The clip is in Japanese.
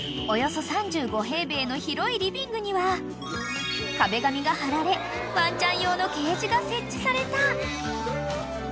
［およそ３５平米の広いリビングには壁紙が張られワンちゃん用のケージが設置された］